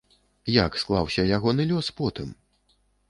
Як склаўся ягоны лёс потым?